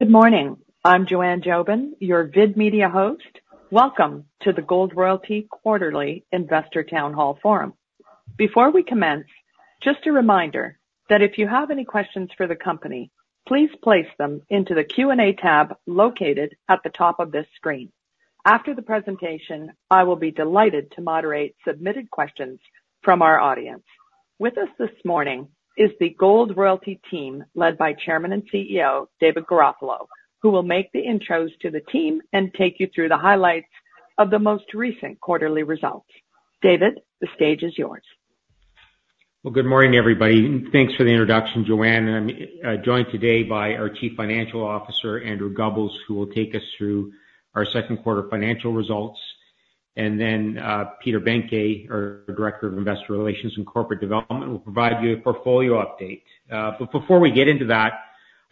Good morning. I'm Joanne Jobin, your VID Media host. Welcome to the Gold Royalty Quarterly Investor Town Hall Forum. Before we commence, just a reminder that if you have any questions for the company, please place them into the Q&A tab located at the top of this screen. After the presentation, I will be delighted to moderate submitted questions from our audience. With us this morning is the Gold Royalty team, led by Chairman and CEO, David Garofalo, who will make the intros to the team and take you through the highlights of the most recent quarterly results. David, the stage is yours. Well, good morning, everybody, and thanks for the introduction, Joanne. I'm joined today by our Chief Financial Officer, Andrew Gubbels, who will take us through our second quarter financial results. Then, Peter Behnke, our Director of Investor Relations and Corporate Development, will provide you a portfolio update. But before we get into that,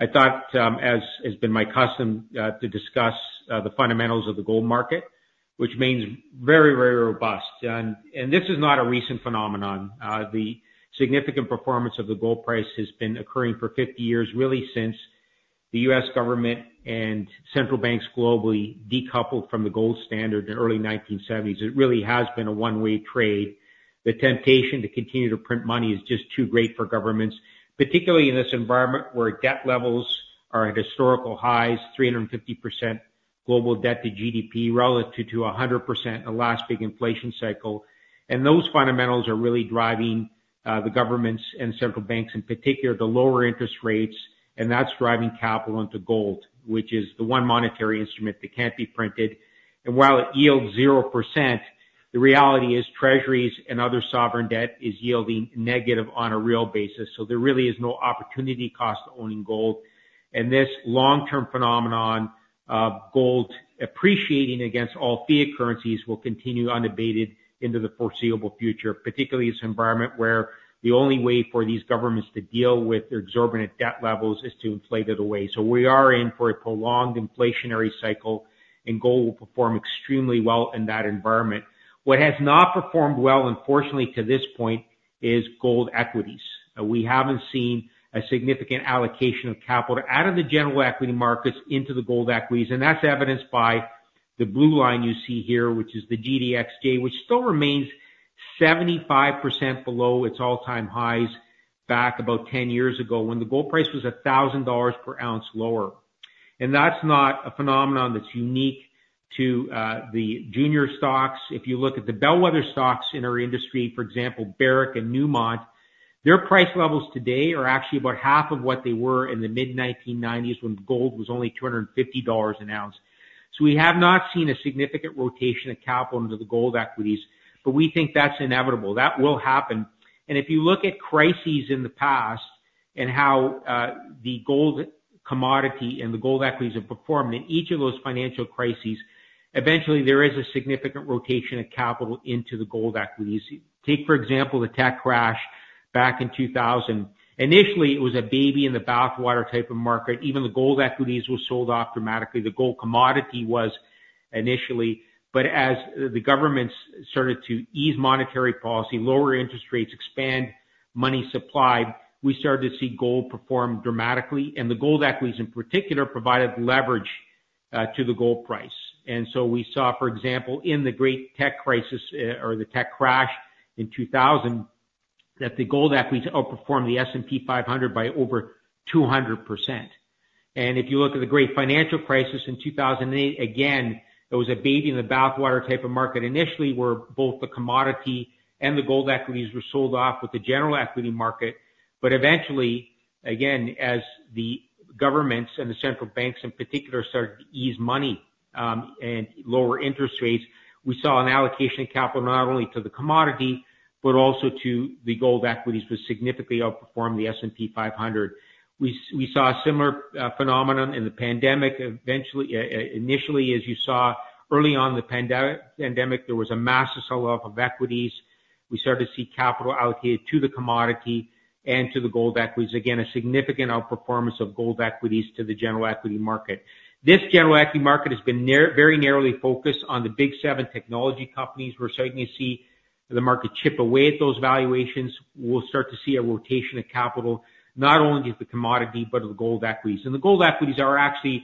I thought, as has been my custom, to discuss the fundamentals of the gold market, which means very, very robust. This is not a recent phenomenon. The significant performance of the gold price has been occurring for 50 years, really, since the U.S. government and central banks globally decoupled from the gold standard in the early 1970s. It really has been a one-way trade. The temptation to continue to print money is just too great for governments, particularly in this environment where debt levels are at historical highs, 350% global debt to GDP, relative to 100% in the last big inflation cycle. And those fundamentals are really driving the governments and central banks, in particular, the lower interest rates, and that's driving capital into gold, which is the one monetary instrument that can't be printed. And while it yields 0%, the reality is treasuries and other sovereign debt is yielding negative on a real basis, so there really is no opportunity cost to owning gold. And this long-term phenomenon of gold appreciating against all fiat currencies will continue unabated into the foreseeable future, particularly this environment, where the only way for these governments to deal with their exorbitant debt levels is to inflate it away. So we are in for a prolonged inflationary cycle, and gold will perform extremely well in that environment. What has not performed well, unfortunately to this point, is gold equities. We haven't seen a significant allocation of capital out of the general equity markets into the gold equities, and that's evidenced by the blue line you see here, which is the GDXJ, which still remains 75% below its all-time highs back about 10 years ago, when the gold price was $1,000 per ounce lower. And that's not a phenomenon that's unique to the junior stocks. If you look at the bellwether stocks in our industry, for example, Barrick and Newmont, their price levels today are actually about half of what they were in the mid-1990s, when gold was only $250 an ounce. We have not seen a significant rotation of capital into the gold equities, but we think that's inevitable. That will happen. If you look at crises in the past and how the gold commodity and the gold equities have performed in each of those financial crises, eventually there is a significant rotation of capital into the gold equities. Take, for example, the tech crash back in 2000. Initially, it was a baby in the bathwater type of market. Even the gold equities were sold off dramatically. The gold commodity was initially, but as the governments started to ease monetary policy, lower interest rates, expand money supply, we started to see gold perform dramatically, and the gold equities in particular, provided leverage to the gold price. And so we saw, for example, in the great tech crisis, or the tech crash in 2000, that the gold equities outperformed the S&P 500 by over 200%. And if you look at the great financial crisis in 2008, again, there was a baby in the bathwater type of market. Initially, where both the commodity and the gold equities were sold off with the general equity market, but eventually, again, as the governments and the central banks in particular, started to ease money, and lower interest rates, we saw an allocation of capital, not only to the commodity, but also to the gold equities, which significantly outperformed the S&P 500. We saw a similar phenomenon in the pandemic. Eventually, initially, as you saw early on in the pandemic, there was a massive sell-off of equities. We started to see capital allocated to the commodity and to the gold equities. Again, a significant outperformance of gold equities to the general equity market. This general equity market has been very narrowly focused on the Big Seven technology companies. We're starting to see the market chip away at those valuations. We'll start to see a rotation of capital, not only to the commodity, but to the gold equities. And the gold equities are actually...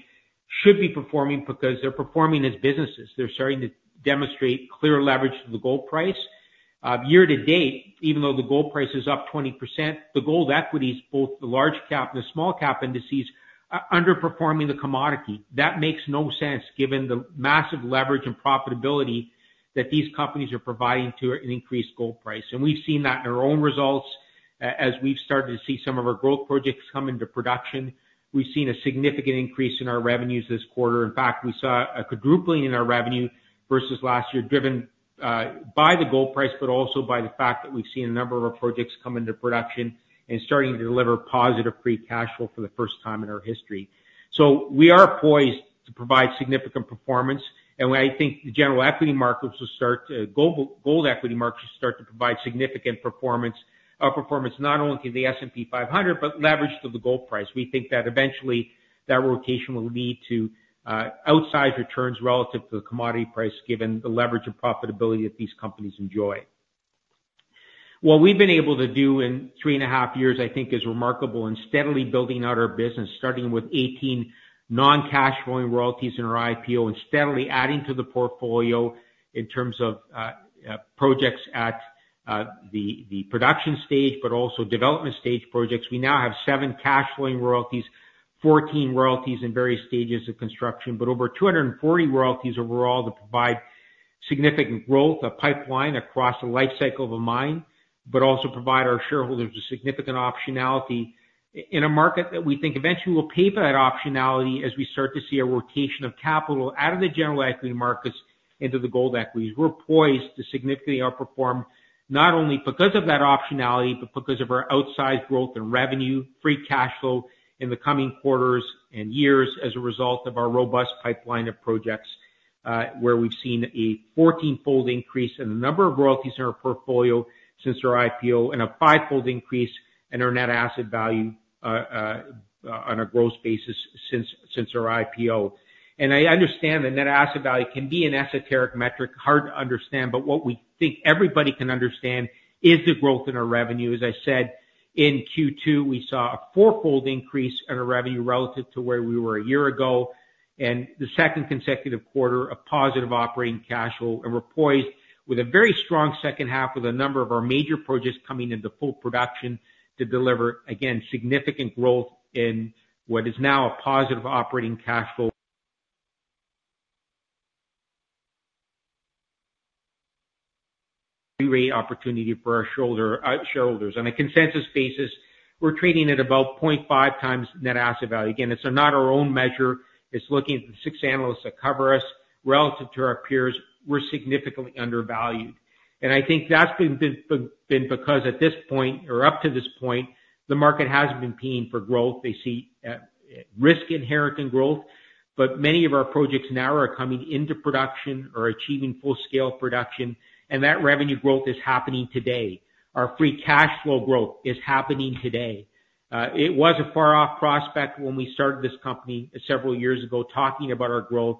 should be performing because they're performing as businesses. They're starting to demonstrate clear leverage to the gold price. Year to date, even though the gold price is up 20%, the gold equities, both the large cap and the small cap indices, are underperforming the commodity. That makes no sense, given the massive leverage and profitability that these companies are providing to an increased gold price. We've seen that in our own results as we've started to see some of our growth projects come into production. We've seen a significant increase in our revenues this quarter. In fact, we saw a quadrupling in our revenue versus last year, driven by the gold price, but also by the fact that we've seen a number of our projects come into production and starting to deliver positive free cash flow for the first time in our history. So we are poised to provide significant performance, and I think the gold equity markets will start to provide significant performance not only to the S&P 500, but leverage to the gold price. We think that eventually that rotation will lead to outsized returns relative to the commodity price, given the leverage and profitability that these companies enjoy. What we've been able to do in 3.5 years, I think, is remarkable in steadily building out our business, starting with 18 non-cash flowing royalties in our IPO, and steadily adding to the portfolio in terms of projects at the production stage, but also development stage projects. We now have 7 cash flowing royalties, 14 royalties in various stages of construction, but over 240 royalties overall that provide significant growth, a pipeline across the lifecycle of a mine, but also provide our shareholders with significant optionality in a market that we think eventually will pay for that optionality as we start to see a rotation of capital out of the general equity markets into the gold equities. We're poised to significantly outperform, not only because of that optionality, but because of our outsized growth in revenue, free cash flow in the coming quarters and years as a result of our robust pipeline of projects, where we've seen a 14-fold increase in the number of royalties in our portfolio since our IPO, and a 5-fold increase in our net asset value, on a gross basis since our IPO. I understand the net asset value can be an esoteric metric, hard to understand, but what we think everybody can understand is the growth in our revenue. As I said, in Q2, we saw a 4-fold increase in our revenue relative to where we were a year ago, and the second consecutive quarter of positive operating cash flow. We're poised with a very strong second half with a number of our major projects coming into full production to deliver, again, significant growth in what is now a positive operating cash flow. Great opportunity for our shareholders. On a consensus basis, we're trading at about 0.5 times net asset value. Again, it's not our own measure. It's looking at the six analysts that cover us. Relative to our peers, we're significantly undervalued. And I think that's been because at this point or up to this point, the market hasn't been paying for growth. They see risk inherent in growth, but many of our projects now are coming into production or achieving full-scale production, and that revenue growth is happening today. Our free cash flow growth is happening today. It was a far-off prospect when we started this company several years ago, talking about our growth.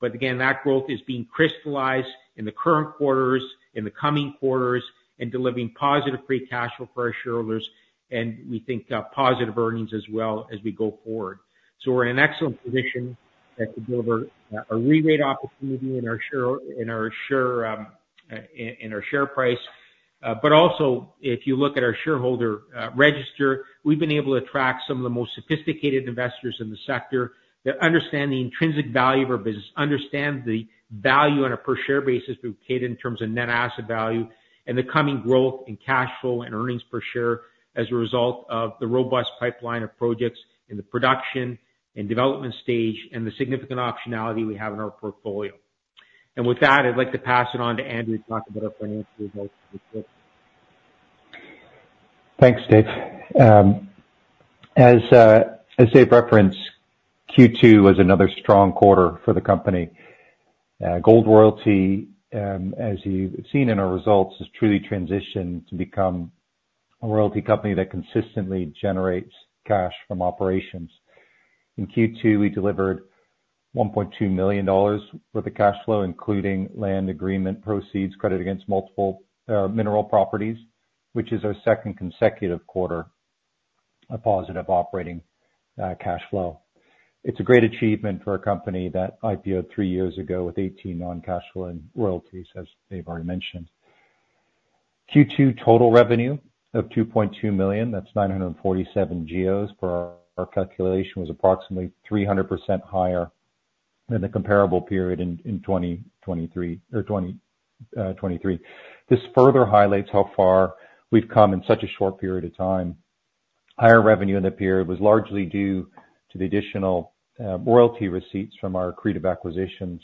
But again, that growth is being crystallized in the current quarters, in the coming quarters, and delivering positive free cash flow for our shareholders, and we think, positive earnings as well as we go forward. So we're in an excellent position that could deliver, a rerate opportunity in our share price. But also, if you look at our shareholder register, we've been able to attract some of the most sophisticated investors in the sector that understand the intrinsic value of our business, understand the value on a per-share basis we've paid in terms of net asset value and the coming growth in cash flow and earnings per share as a result of the robust pipeline of projects in the production and development stage, and the significant optionality we have in our portfolio. With that, I'd like to pass it on to Andrew to talk about our financial results. Thanks, Dave. As Dave referenced, Q2 was another strong quarter for the company. Gold Royalty, as you've seen in our results, has truly transitioned to become a royalty company that consistently generates cash from operations. In Q2, we delivered $1.2 million worth of cash flow, including land agreement proceeds, credit against multiple mineral properties, which is our second consecutive quarter of positive operating cash flow. It's a great achievement for a company that IPO'd three years ago with 18 non-cash flowing royalties, as Dave already mentioned. Q2 total revenue of $2.2 million, that's 947 GEOs per our calculation, was approximately 300% higher than the comparable period in 2023. This further highlights how far we've come in such a short period of time. Higher revenue in the period was largely due to the additional royalty receipts from our accretive acquisitions,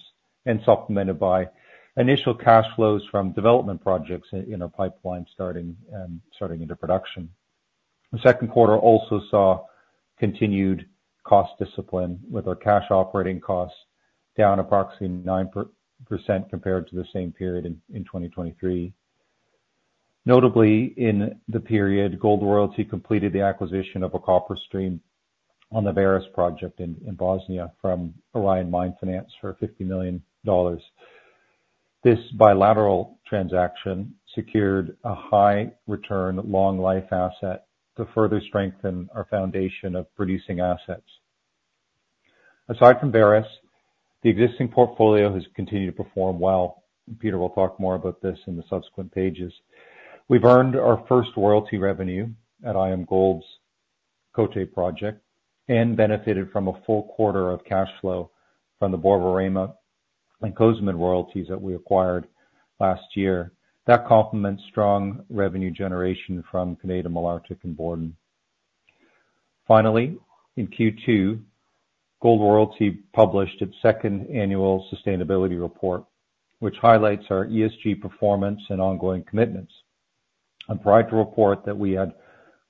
and supplemented by initial cash flows from development projects in our pipeline, starting into production. The second quarter also saw continued cost discipline, with our cash operating costs down approximately 9% compared to the same period in 2023. Notably, in the period, Gold Royalty completed the acquisition of a copper stream on the Vareš Project in Bosnia from Orion Mine Finance for $50 million. This bilateral transaction secured a high return, long life asset to further strengthen our foundation of producing assets. Aside from Vareš, the existing portfolio has continued to perform well. Peter will talk more about this in the subsequent pages. We've earned our first royalty revenue at IAMGOLD's Côté project, and benefited from a full quarter of cash flow from the Borborema and Cozamin royalties that we acquired last year. That complements strong revenue generation from Canadian Malartic and Borden. Finally, in Q2, Gold Royalty published its second annual sustainability report, which highlights our ESG performance and ongoing commitments. I'm proud to report that we had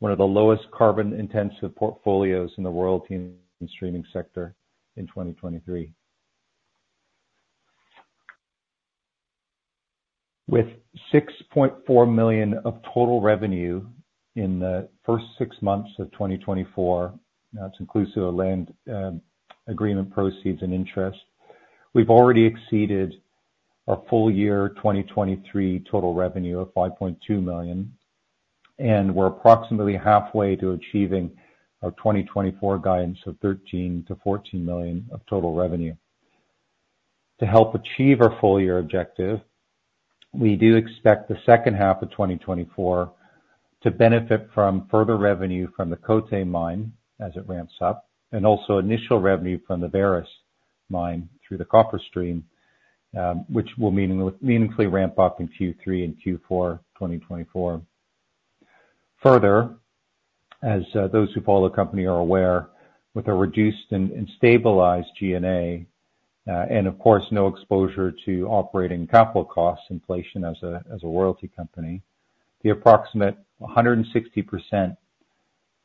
one of the lowest carbon-intensive portfolios in the royalty and streaming sector in 2023. With $6.4 million of total revenue in the first six months of 2024, that's inclusive of land agreement proceeds and interest. We've already exceeded our full year 2023 total revenue of $5.2 million, and we're approximately halfway to achieving our 2024 guidance of $13 million-$14 million of total revenue. To help achieve our full year objective, we do expect the second half of 2024 to benefit from further revenue from the Côté Mine as it ramps up, and also initial revenue from the Vareš mine through the copper stream, which will meaningfully ramp up in Q3 and Q4 2024. Further, those who follow the company are aware, with a reduced and stabilized G&A, and of course, no exposure to operating capital costs inflation as a royalty company, the approximate 160%,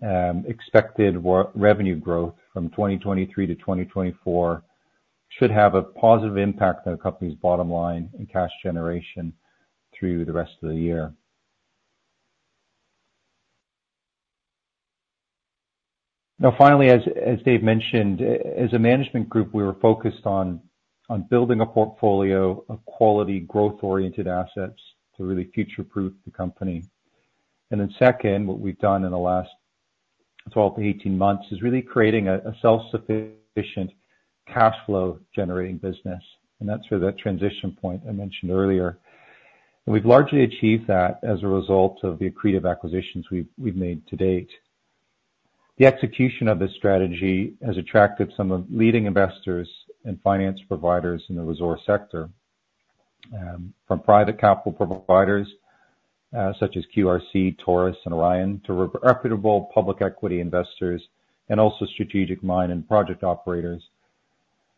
expected revenue growth from 2023 to 2024 should have a positive impact on the company's bottom line and cash generation through the rest of the year. Now, finally, as Dave mentioned, as a management group, we were focused on building a portfolio of quality, growth-oriented assets to really future-proof the company. And then second, what we've done in the last 12-18 months is really creating a self-sufficient cash flow generating business, and that's for that transition point I mentioned earlier. And we've largely achieved that as a result of the accretive acquisitions we've made to date. The execution of this strategy has attracted some of the leading investors and finance providers in the resource sector, from private capital providers, such as QRC, Taurus and Orion, to reputable public equity investors and also strategic mine and project operators.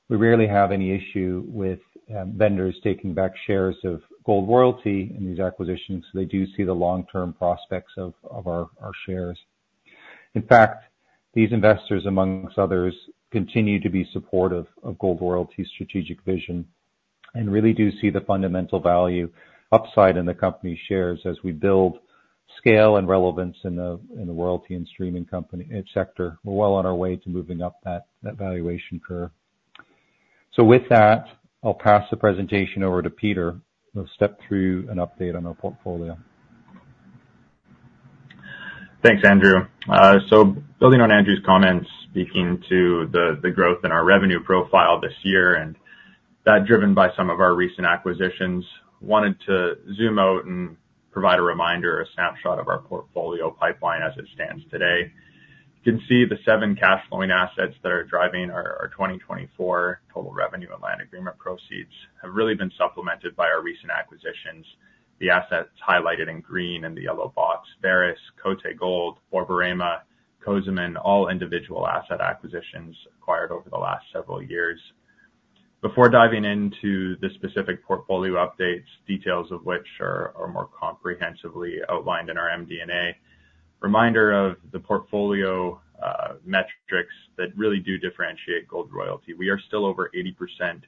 We rarely have any issue with vendors taking back shares of Gold Royalty in these acquisitions. They do see the long-term prospects of our shares. In fact, these investors, among others, continue to be supportive of Gold Royalty's strategic vision, and really do see the fundamental value upside in the company's shares as we build scale and relevance in the, in the royalty and streaming company, sector. We're well on our way to moving up that, that valuation curve. So with that, I'll pass the presentation over to Peter, who'll step through an update on our portfolio. Thanks, Andrew. So building on Andrew's comments, speaking to the growth in our revenue profile this year, and that driven by some of our recent acquisitions, wanted to zoom out and provide a reminder, a snapshot of our portfolio pipeline as it stands today. You can see the seven cash flowing assets that are driving our 2024 total revenue and land agreement proceeds have really been supplemented by our recent acquisitions. The assets highlighted in green in the yellow box, Vareš, Côté Gold, Borborema, Cozamin, all individual asset acquisitions acquired over the last several years. Before diving into the specific portfolio updates, details of which are more comprehensively outlined in our MD&A, reminder of the portfolio metrics that really do differentiate Gold Royalty. We are still over 80%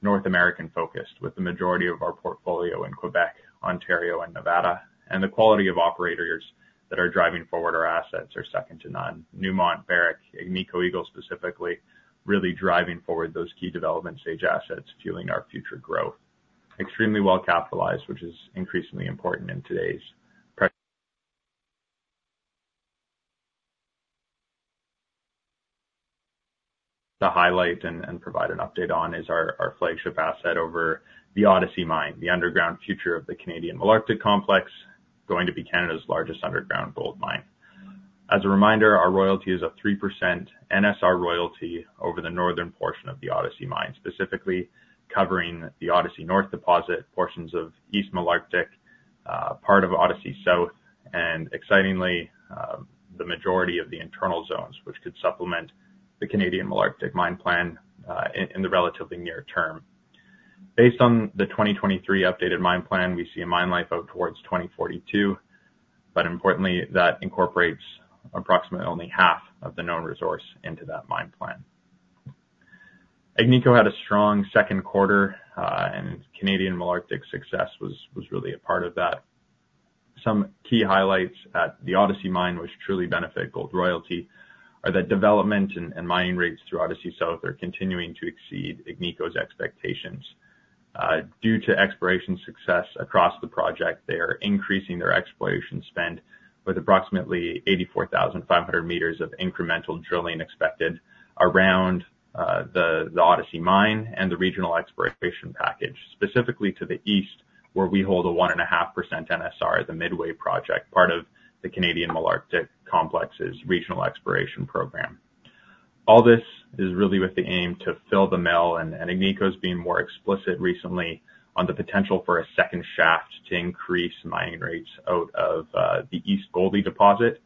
North American focused, with the majority of our portfolio in Quebec, Ontario and Nevada. The quality of operators that are driving forward our assets are second to none. Newmont, Barrick, Agnico Eagle, specifically, really driving forward those key development stage assets, fueling our future growth. Extremely well capitalized, which is increasingly important in today's pres-... To highlight and provide an update on is our flagship asset over the Odyssey Mine, the underground future of the Canadian Malartic Complex, going to be Canada's largest underground gold mine. As a reminder, our royalty is a 3% NSR royalty over the northern portion of the Odyssey Mine, specifically covering the Odyssey North deposit, portions of East Malartic, part of Odyssey South, and excitingly, the majority of the Internal Zones, which could supplement the Canadian Malartic mine plan, in the relatively near term. Based on the 2023 updated mine plan, we see a mine life out towards 2042, but importantly, that incorporates approximately only half of the known resource into that mine plan. Agnico had a strong second quarter, and Canadian Malartic's success was really a part of that. Some key highlights at the Odyssey Mine, which truly benefit Gold Royalty, are that development and mining rates through Odyssey South are continuing to exceed Agnico's expectations. Due to exploration success across the project, they are increasing their exploration spend with approximately 84,500 meters of incremental drilling expected around the Odyssey Mine and the regional exploration package, specifically to the east, where we hold a 1.5% NSR, the Midway Project, part of the Canadian Malartic Complex's regional exploration program. All this is really with the aim to fill the mill, and Agnico's been more explicit recently on the potential for a second shaft to increase mining rates out of the East Gouldie deposit,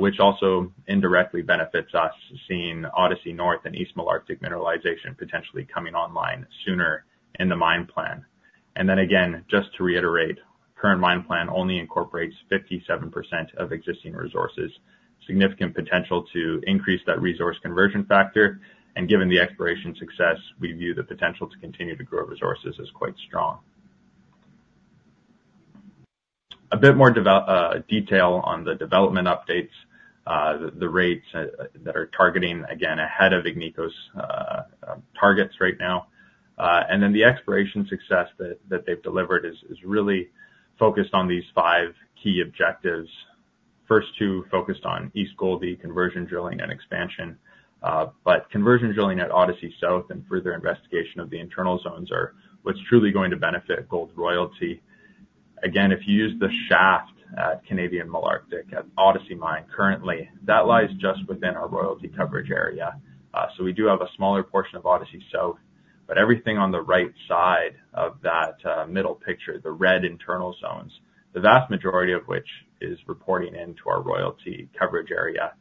which also indirectly benefits us, seeing Odyssey North and East Malartic mineralization potentially coming online sooner in the mine plan. And then again, just to reiterate, current mine plan only incorporates 57% of existing resources, significant potential to increase that resource conversion factor, and given the exploration success, we view the potential to continue to grow resources as quite strong. A bit more detail on the development updates. The rates that are targeting, again, ahead of Agnico's targets right now. And then the exploration success that they've delivered is really focused on these five key objectives. First two focused on East Gouldie conversion drilling and expansion, but conversion drilling at Odyssey South and further investigation of the Internal Zones are what's truly going to benefit Gold Royalty. Again, if you use the shaft at Canadian Malartic at Odyssey Mine, currently, that lies just within our royalty coverage area. So we do have a smaller portion of Odyssey South, but everything on the right side of that, middle picture, the red Internal Zones, the vast majority of which is reporting into our royalty coverage area.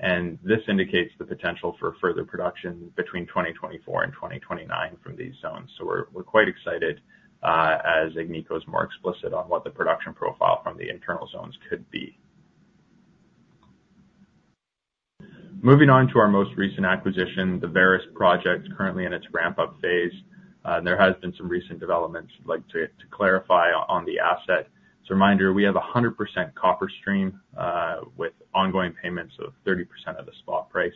And this indicates the potential for further production between 2024 and 2029 from these zones. So we're, we're quite excited, as Agnico is more explicit on what the production profile from the Internal Zones could be. Moving on to our most recent acquisition, the Vareš Project, currently in its ramp-up phase. There has been some recent developments I'd like to clarify on the asset. So reminder, we have a 100% copper stream with ongoing payments of 30% of the spot price.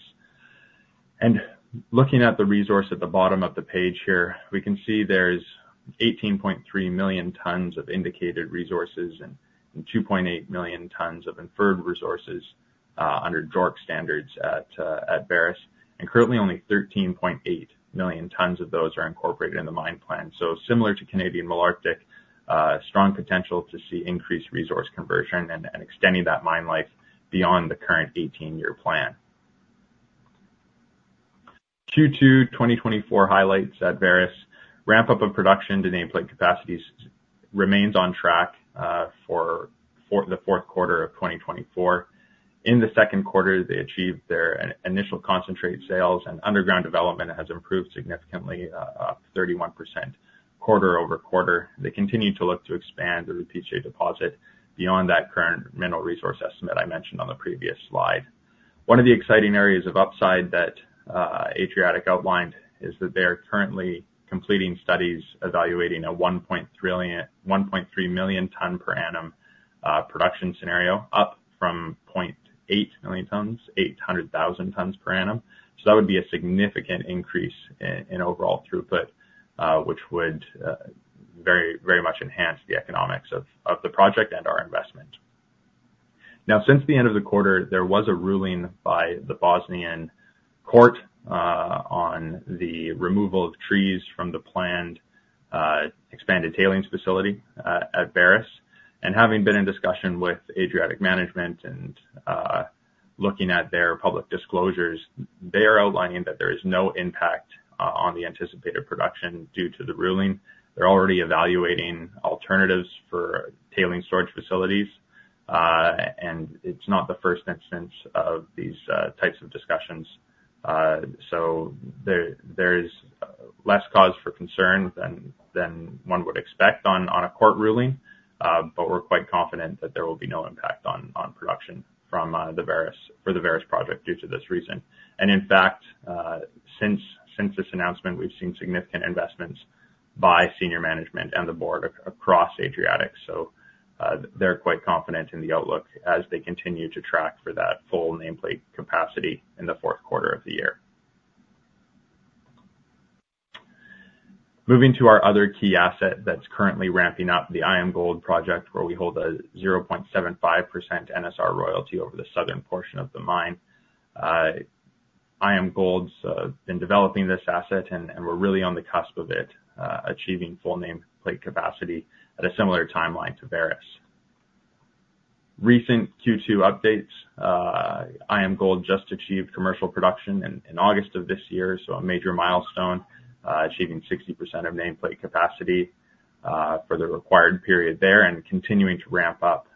Looking at the resource at the bottom of the page here, we can see there's 18.3 million tonnes of indicated resources and 2.8 million tonnes of inferred resources under JORC standards at Vareš. Currently, only 13.8 million tonnes of those are incorporated in the mine plan. So similar to Canadian Malartic, strong potential to see increased resource conversion and extending that mine life beyond the current 18-year plan. Q2 2024 highlights at Vareš. Ramp-up of production to nameplate capacities remains on track for the fourth quarter of 2024. In the second quarter, they achieved their initial concentrate sales and underground development has improved significantly, 31% quarter-over-quarter. They continue to look to expand the Rupice deposit beyond that current mineral resource estimate I mentioned on the previous slide. One of the exciting areas of upside that, Adriatic outlined, is that they are currently completing studies evaluating a 1.3 million tonnes per annum production scenario, up from 0.8 million tonnes, 800,000 tonnes per annum. So that would be a significant increase in overall throughput, which would very, very much enhance the economics of the project and our investment. Now, since the end of the quarter, there was a ruling by the Bosnia court on the removal of trees from the planned expanded tailings facility at Vareš. Having been in discussion with Adriatic management and looking at their public disclosures, they are outlining that there is no impact on the anticipated production due to the ruling. They're already evaluating alternatives for tailings storage facilities, and it's not the first instance of these types of discussions. So there is less cause for concern than one would expect on a court ruling, but we're quite confident that there will no impact on production from the Vareš project due to this reason. And in fact, since this announcement, we've seen significant investments by senior management and the board across Adriatic. So they're quite confident in the outlook as they continue to track for that full nameplate capacity in the fourth quarter of the year. Moving to our other key asset that's currently ramping up, the IAMGOLD project, where we hold a 0.75% NSR royalty over the southern portion of the mine. IAMGOLD's been developing this asset, and, and we're really on the cusp of it achieving full nameplate capacity at a similar timeline to Vareš. Recent Q2 updates, IAMGOLD just achieved commercial production in, in August of this year, so a major milestone, achieving 60% of nameplate capacity for the required period there and continuing to ramp up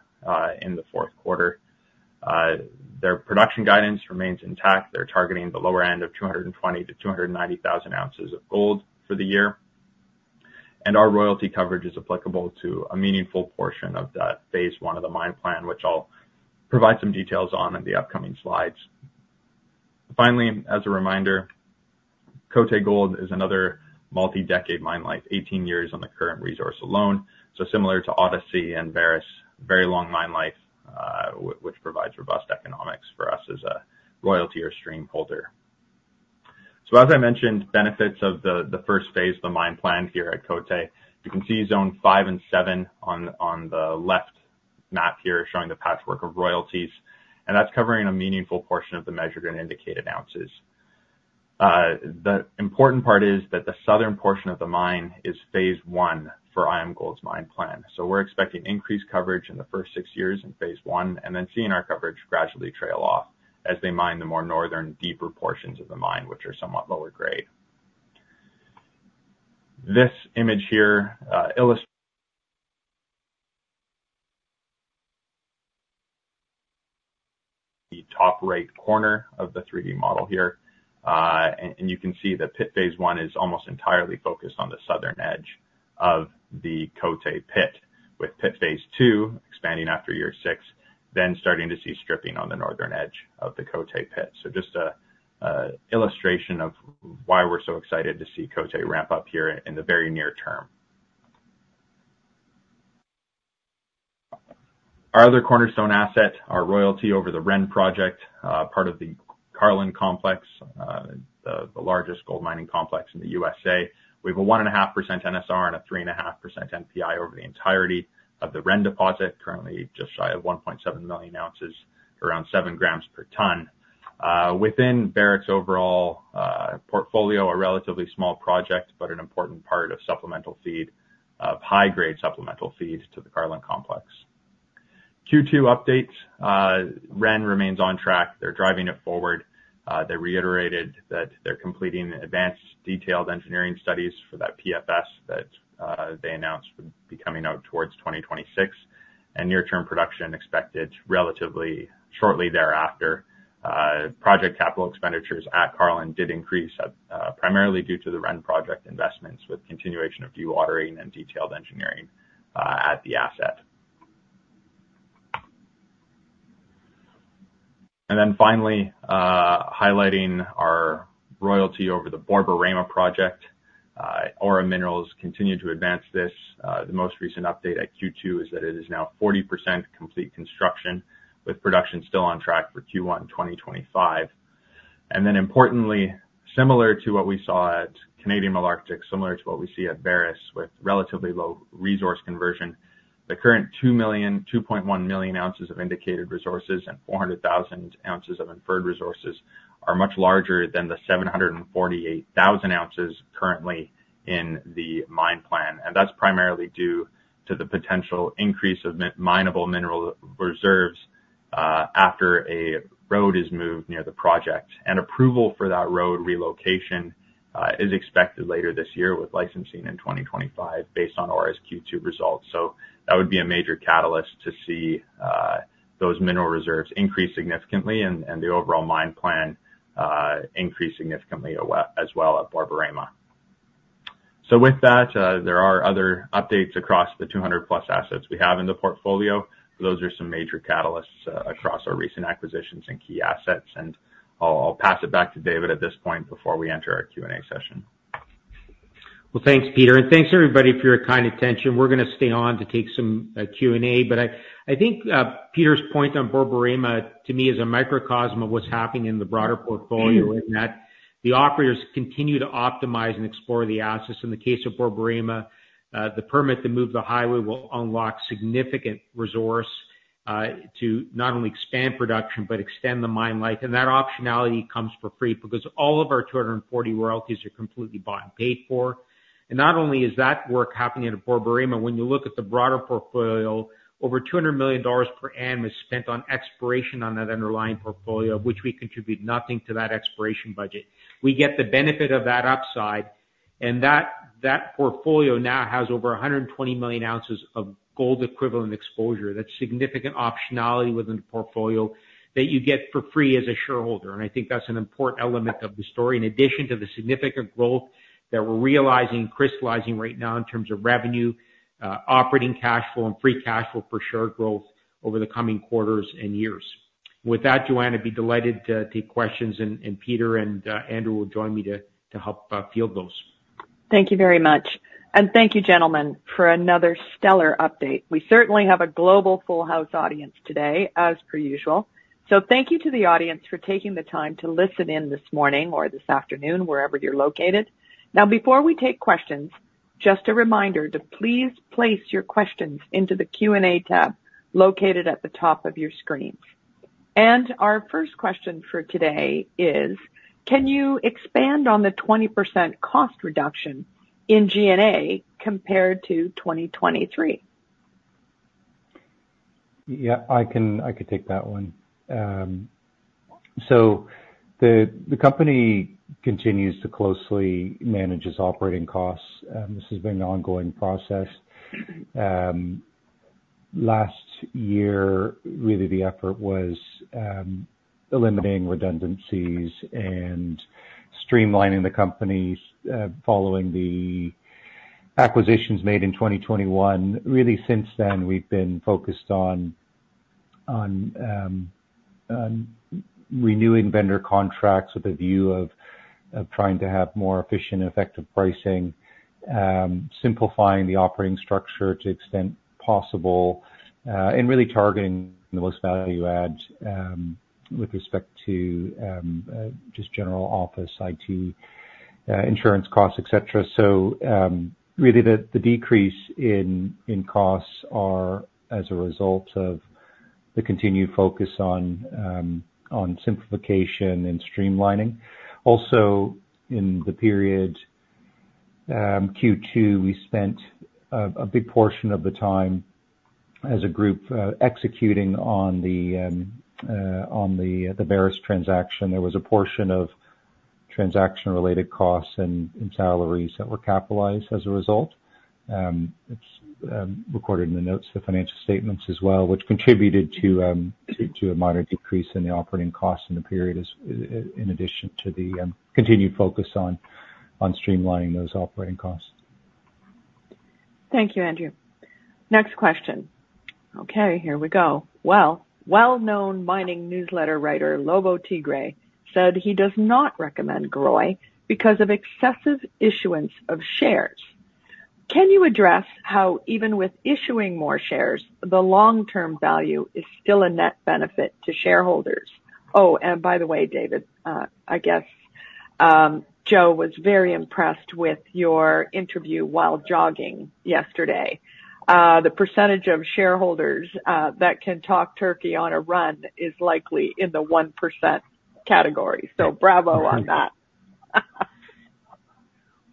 in the fourth quarter. Their production guidance remains intact. They're targeting the lower end of 220,000-290,000 ounces of gold for the year. Our royalty coverage is applicable to a meaningful portion of that phase 1 of the mine plan, which I'll provide some details on in the upcoming slides. Finally, as a reminder, Côté Gold is another multi-decade mine life, 18 years on the current resource alone. So similar to Odyssey and Vareš, very long mine life, which provides robust economics for us as a royalty or stream holder. So as I mentioned, benefits of the first phase of the mine plan here at Côté. You can see Zone 5 and 7 on the left map here, showing the patchwork of royalties, and that's covering a meaningful portion of the measured and indicated ounces. The important part is that the southern portion of the mine is phase 1 for IAMGOLD's mine plan. So we're expecting increased coverage in the first six years in phase one, and then seeing our coverage gradually trail off as they mine the more northern, deeper portions of the mine, which are somewhat lower grade. This image here. The top right corner of the 3D model here, and you can see the pit phase one is almost entirely focused on the southern edge of the Côté pit, with pit phase two expanding after year six, then starting to see stripping on the northern edge of the Côté pit. So just an illustration of why we're so excited to see Côté ramp up here in the very near term. Our other cornerstone asset, our royalty over the Ren Project, part of the Carlin Complex, the largest gold mining complex in the USA. We have a 1.5% NSR and a 3.5% NPI over the entirety of the Ren deposit, currently just shy of 1.7 million ounces, around 7 grams per tonne. Within Barrick's overall portfolio, a relatively small project, but an important part of supplemental feed, of high-grade supplemental feeds to the Carlin Complex. Q2 updates, Ren remains on track. They're driving it forward. They reiterated that they're completing advanced detailed engineering studies for that PFS that they announced would be coming out towards 2026, and near-term production expected relatively shortly thereafter. Project capital expenditures at Carlin did increase, primarily due to the Ren project investments, with continuation of dewatering and detailed engineering at the asset. And then finally, highlighting our royalty over the Borborema project. Aura Minerals continued to advance this. The most recent update at Q2 is that it is now 40% complete construction, with production still on track for Q1 in 2025. And then importantly, similar to what we saw at Canadian Malartic, similar to what we see at Barrick, with relatively low resource conversion, the current 2.1 million ounces of indicated resources and 400,000 ounces of inferred resources are much larger than the 748,000 ounces currently in the mine plan. And that's primarily due to the potential increase of minable mineral reserves after a road is moved near the project. And approval for that road relocation is expected later this year, with licensing in 2025, based on Aura's Q2 results. So that would be a major catalyst to see those mineral reserves increase significantly and the overall mine plan increase significantly as well at Borborema. So with that, there are other updates across the 200+ assets we have in the portfolio. Those are some major catalysts across our recent acquisitions and key assets, and I'll pass it back to David at this point before we enter our Q&A session. Well, thanks, Peter, and thanks everybody for your kind attention. We're gonna stay on to take some Q&A, but I think Peter's point on Borborema, to me, is a microcosm of what's happening in the broader portfolio, in that the operators continue to optimize and explore the assets. In the case of Borborema, the permit to move the highway will unlock significant resource to not only expand production, but extend the mine life. And that optionality comes for free because all of our 240 royalties are completely bought and paid for. And not only is that work happening at Borborema, when you look at the broader portfolio, over $200 million per annum is spent on exploration on that underlying portfolio, which we contribute nothing to that exploration budget. We get the benefit of that upside, and that, that portfolio now has over 120 million ounces of gold equivalent exposure. That's significant optionality within the portfolio that you get for free as a shareholder, and I think that's an important element of the story, in addition to the significant growth that we're realizing, crystallizing right now in terms of revenue, operating cash flow and free cash flow for share growth over the coming quarters and years. With that, Joanne, I'd be delighted to take questions, and, and Peter and, Andrew will join me to, to help, field those. Thank you very much. Thank you, gentlemen, for another stellar update. We certainly have a global full house audience today, as per usual. Thank you to the audience for taking the time to listen in this morning or this afternoon, wherever you're located. Now, before we take questions, just a reminder to please place your questions into the Q&A tab located at the top of your screens. Our first question for today is: Can you expand on the 20% cost reduction in G&A compared to 2023? Yeah, I can, I can take that one. So the company continues to closely manage its operating costs, this has been an ongoing process. Last year, really the effort was, eliminating redundancies and streamlining the company, following the acquisitions made in 2021. Really, since then, we've been focused on, renewing vendor contracts with a view of, trying to have more efficient and effective pricing, simplifying the operating structure to extent possible, and really targeting the most value add, with respect to, just general office, IT, insurance costs, et cetera. So, really, the decrease in costs are as a result of the continued focus on, simplification and streamlining. Also, in the period, Q2, we spent a big portion of the time as a group, executing on the Barrick transaction. There was a portion of transaction-related costs and salaries that were capitalized as a result. It's recorded in the notes to the financial statements as well, which contributed to a minor decrease in the operating costs in the period in addition to the continued focus on streamlining those operating costs. Thank you, Andrew. Next question. Okay, here we go. Well, well-known mining newsletter writer, Lobo Tiggre, said he does not recommend GROY because of excessive issuance of shares. Can you address how, even with issuing more shares, the long-term value is still a net benefit to shareholders? Oh, and by the way, David, I guess, Joe was very impressed with your interview while jogging yesterday. The percentage of shareholders that can talk turkey on a run is likely in the 1% category. So bravo on that.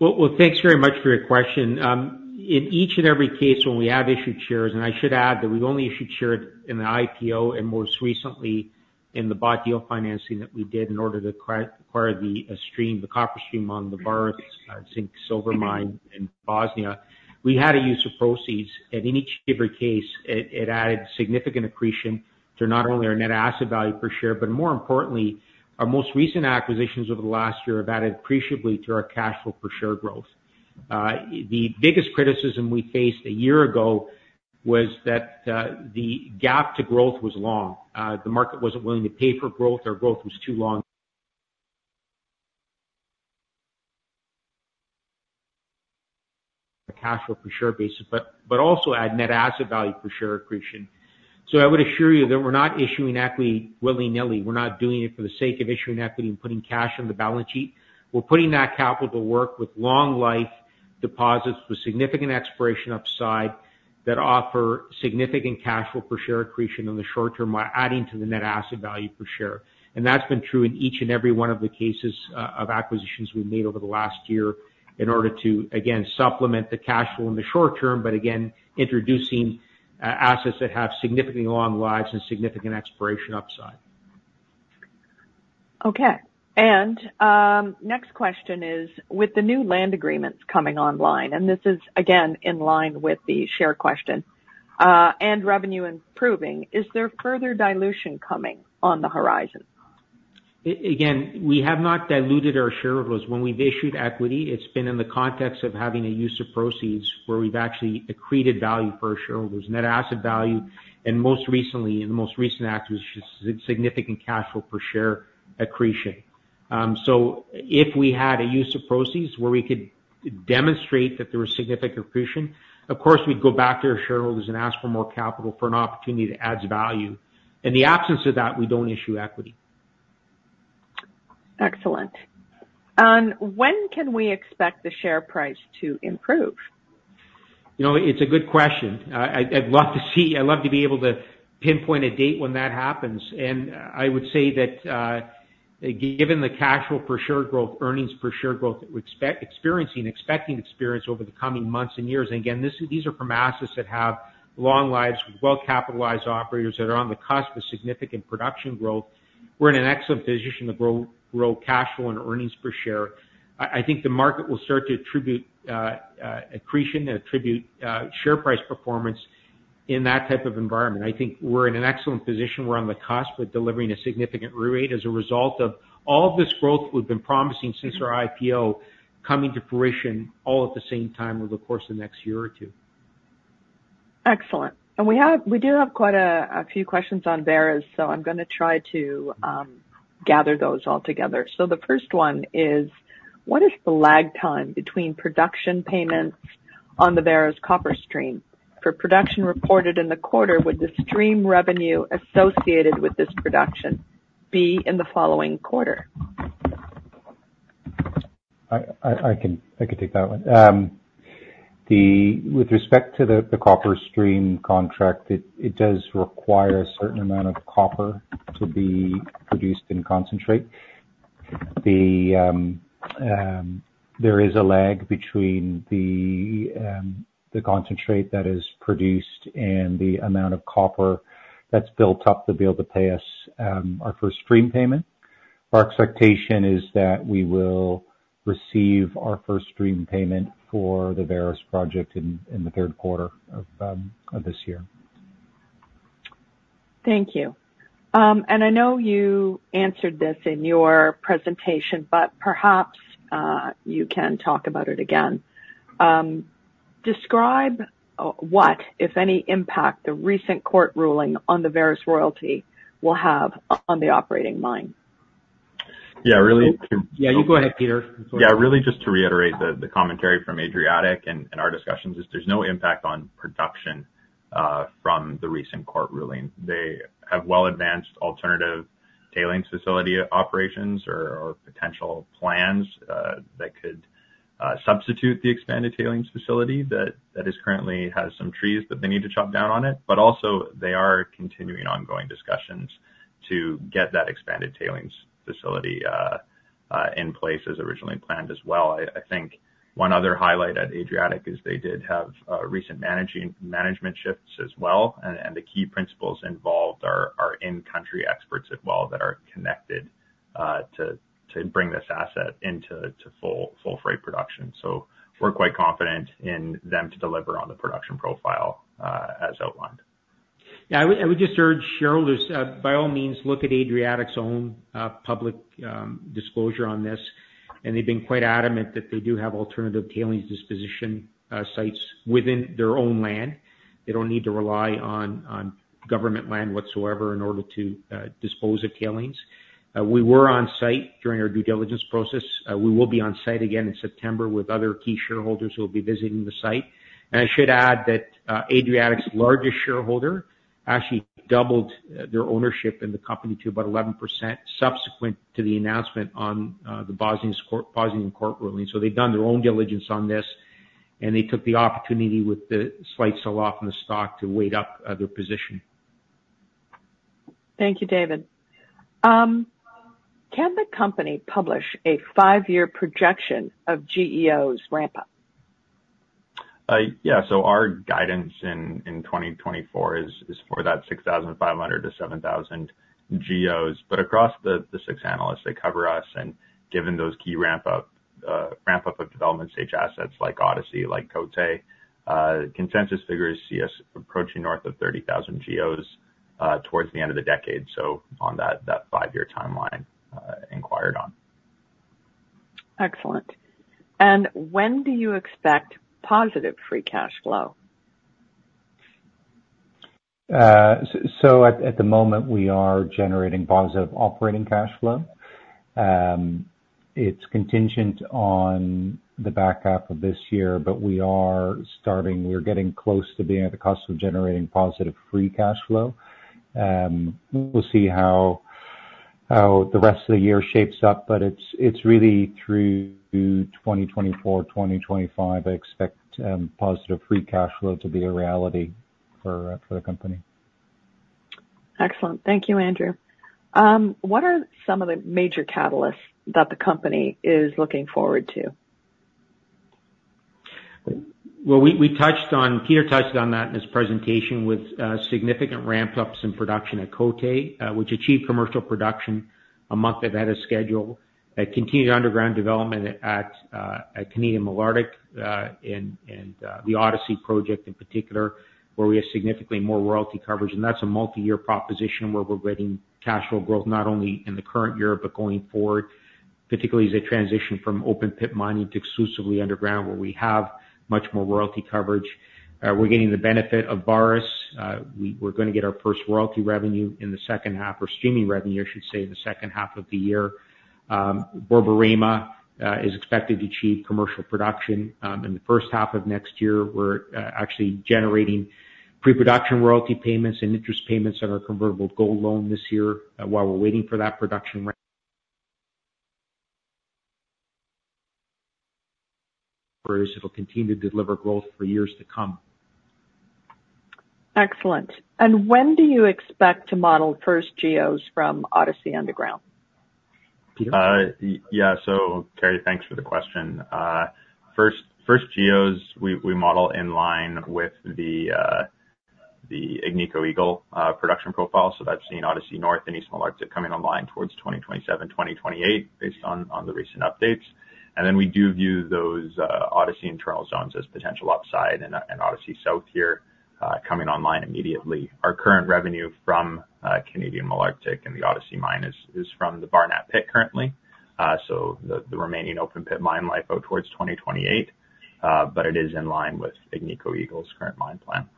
Well, well, thanks very much for your question. In each and every case, when we have issued shares, and I should add that we've only issued shares in the IPO, and most recently in the bought deal financing that we did in order to acquire the stream, the copper stream on the Vareš zinc-silver mine in Bosnia. We had a use of proceeds, and in each different case, it added significant accretion to not only our net asset value per share, but more importantly, our most recent acquisitions over the last year have added appreciably to our cash flow per share growth. The biggest criticism we faced a year ago was that the gap to growth was long. The market wasn't willing to pay for growth, or growth was too long. A cash flow per share basis, but also add net asset value per share accretion. So I would assure you that we're not issuing equity willy-nilly. We're not doing it for the sake of issuing equity and putting cash on the balance sheet. We're putting that capital to work with long life deposits, with significant exploration upside, that offer significant cash flow per share accretion in the short term, while adding to the net asset value per share. And that's been true in each and every one of the cases of acquisitions we've made over the last year in order to, again, supplement the cash flow in the short term, but again, introducing assets that have significantly long lives and significant exploration upside. Okay. And next question is: With the new land agreements coming online, and this is again in line with the share question, and revenue improving, is there further dilution coming on the horizon? Again, we have not diluted our shareholders. When we've issued equity, it's been in the context of having a use of proceeds where we've actually accreted value for our shareholders, net asset value, and most recently, in the most recent acquisition, significant cash flow per share accretion. So if we had a use of proceeds where we could demonstrate that there was significant accretion, of course, we'd go back to our shareholders and ask for more capital for an opportunity that adds value. In the absence of that, we don't issue equity. Excellent. And when can we expect the share price to improve? You know, it's a good question. I'd love to see... I'd love to be able to pinpoint a date when that happens, and I would say that, given the cash flow per share growth, earnings per share growth, we expect experiencing, expecting experience over the coming months and years, and again, these are from assets that have long lives, well-capitalized operators that are on the cusp of significant production growth. We're in an excellent position to grow cash flow and earnings per share. I think the market will start to attribute accretion and attribute share price performance in that type of environment. I think we're in an excellent position. We're on the cusp of delivering a significant rate as a result of all this growth we've been promising since our IPO, coming to fruition all at the same time over the course of the next year or two. Excellent. And we have- we do have quite a few questions on Vareš, so I'm gonna try to gather those all together. So the first one is: What is the lag time between production payments on the Vareš copper stream? For production reported in the quarter, would the stream revenue associated with this production be in the following quarter? I can take that one. With respect to the copper stream contract, it does require a certain amount of copper to be produced in concentrate. There is a lag between the concentrate that is produced and the amount of copper that's built up to be able to pay us our first stream payment. Our expectation is that we will receive our first stream payment for the Vareš project in the third quarter of this year. Thank you. And I know you answered this in your presentation, but perhaps you can talk about it again. Describe what, if any, impact the recent court ruling on the Vareš royalty will have on the operating mine? Yeah, really. Yeah, you go ahead, Peter. Yeah, really, just to reiterate the commentary from Adriatic and our discussions is there's no impact on production from the recent court ruling. They have well-advanced alternative tailings facility operations or potential plans that could substitute the expanded tailings facility that currently has some trees that they need to chop down on it, but also they are continuing ongoing discussions to get that expanded tailings facility in place as originally planned as well. I think one other highlight at Adriatic is they did have recent management shifts as well, and the key principals involved are in-country experts as well that are connected to bring this asset into full freight production. So we're quite confident in them to deliver on the production profile as outlined. Yeah, I would, I would just urge shareholders, by all means, look at Adriatic's own, public, disclosure on this, and they've been quite adamant that they do have alternative tailings disposition, sites within their own land. They don't need to rely on, on government land whatsoever in order to, dispose of tailings. We were on site during our due diligence process. We will be on site again in September with other key shareholders who will be visiting the site. And I should add that, Adriatic's largest shareholder actually doubled, their ownership in the company to about 11%, subsequent to the announcement on, the Bosnian court, Bosnian court ruling. So they've done their own diligence on this, and they took the opportunity with the slight sell-off in the stock to weight up, their position. Thank you, David. Can the company publish a five-year projection of GEOs' ramp-up? Yeah. So our guidance in 2024 is for that 6,500-7,000 GEOs. But across the 6 analysts they cover us, and given those key ramp up, ramp up of development stage assets like Odyssey, like Côté, consensus figures see us approaching north of 30,000 GEOs, towards the end of the decade, so on that five-year timeline, inquired on. Excellent. And when do you expect positive free cash flow? So at the moment, we are generating positive operating cash flow. It's contingent on the back half of this year, but we are starting. We're getting close to being at the cost of generating positive free cash flow. We'll see how the rest of the year shapes up, but it's really through 2024, 2025, I expect, positive free cash flow to be a reality for the company. Excellent. Thank you, Andrew. What are some of the major catalysts that the company is looking forward to? Well, we touched on, Peter touched on that in his presentation with significant ramp-ups in production at Côté, which achieved commercial production a month ahead of schedule. A continued underground development at Canadian Malartic, and the Odyssey project in particular, where we have significantly more royalty coverage, and that's a multi-year proposition where we're getting cash flow growth, not only in the current year but going forward, particularly as they transition from open pit mining to exclusively underground, where we have much more royalty coverage. We're getting the benefit of Barrick. We're gonna get our first royalty revenue in the second half, or streaming revenue, I should say, in the second half of the year. Borborema is expected to achieve commercial production in the first half of next year. We're actually generating pre-production royalty payments and interest payments on our convertible gold loan this year, while we're waiting for that production. It'll continue to deliver growth for years to come. Excellent. And when do you expect to model first GEOs from Odyssey Underground? Yeah. So Kerry, thanks for the question. First, GEOs, we model in line with the Agnico Eagle production profile. So that's seeing Odyssey North and East Malartic coming online towards 2027, 2028, based on the recent updates. And then we do view those Odyssey Internal Zones as potential upside and Odyssey South here coming online immediately. Our current revenue from Canadian Malartic and the Odyssey mine is from the Barnat Pit, currently. So the remaining open pit mine life towards 2028, but it is in line with Agnico Eagle's current mine plan.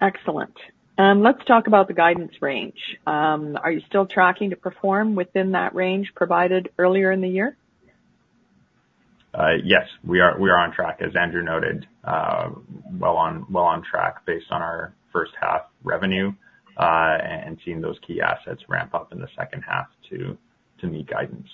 Excellent. Let's talk about the guidance range. Are you still tracking to perform within that range provided earlier in the year? Yes, we are on track, as Andrew noted, well on track based on our first half revenue, and seeing those key assets ramp up in the second half to meet guidance.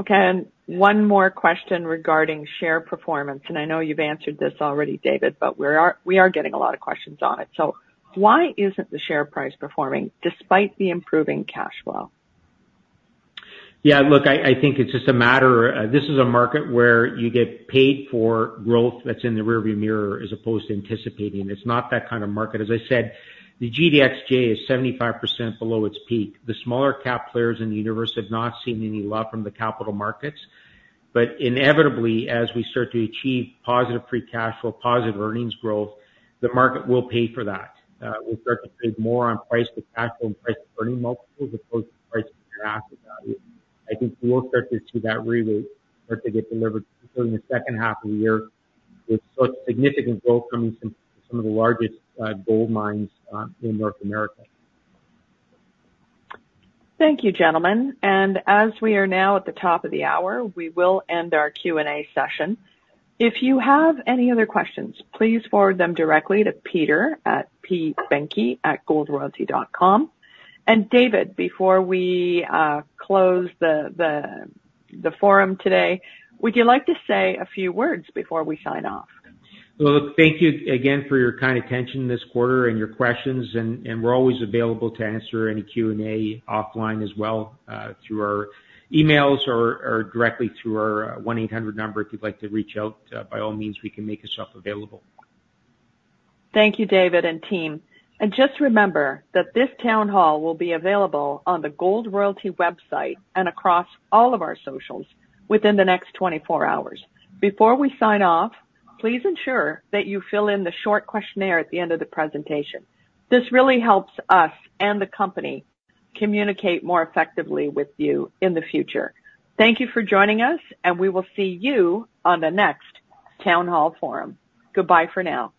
Okay, and one more question regarding share performance, and I know you've answered this already, David, but we are getting a lot of questions on it. So why isn't the share price performing despite the improving cash flow? Yeah, look, I think it's just a matter... This is a market where you get paid for growth that's in the rearview mirror, as opposed to anticipating. It's not that kind of market. As I said, the GDXJ is 75% below its peak. The smaller cap players in the universe have not seen any love from the capital markets. But inevitably, as we start to achieve positive free cash flow, positive earnings growth, the market will pay for that. We'll start to trade more on price to cash flow and price-to-earning multiples as opposed to price to asset value. I think we'll start to see that rerate start to get delivered during the second half of the year with such significant growth from some of the largest gold mines in North America. Thank you, gentlemen. As we are now at the top of the hour, we will end our Q&A session. If you have any other questions, please forward them directly to Peter at pbehnke@goldroyalty.com. David, before we close the forum today, would you like to say a few words before we sign off? Well, look, thank you again for your kind attention this quarter and your questions, and we're always available to answer any Q&A offline as well, through our emails or directly through our 1-800 number. If you'd like to reach out, by all means, we can make ourselves available. Thank you, David and team. Just remember that this town hall will be available on the Gold Royalty website and across all of our socials within the next 24 hours. Before we sign off, please ensure that you fill in the short questionnaire at the end of the presentation. This really helps us and the company communicate more effectively with you in the future. Thank you for joining us, and we will see you on the next Town Hall forum. Goodbye for now.